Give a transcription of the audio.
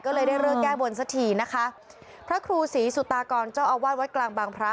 ก็เลยได้เลิกแก้บนสักทีนะคะพระครูศรีสุตากรเจ้าอาวาสวัดกลางบางพระ